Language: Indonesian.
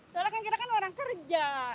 soalnya kan kita kan orang kerja